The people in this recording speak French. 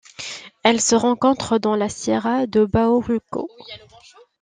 Elle se rencontre dans la Sierra de Bahoruco.